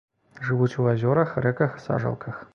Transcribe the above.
Жывуць у азёрах, рэках, сажалках.